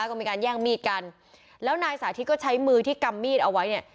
ก็มีการแย่งมีดกันแล้วนายสาธิตก็ใช้มือที่กำมีดเอาไว้เนี่ย